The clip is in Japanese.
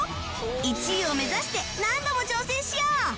１位を目指して何度も挑戦しよう